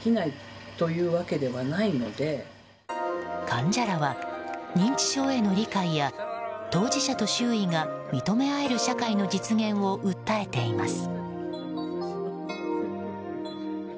患者らは、認知症への理解や当事者と周囲が認め合える社会の実現を訴えています。